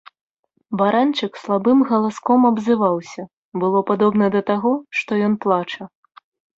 Баранчык слабым галаском абзываўся, было падобна да таго, што ён плача.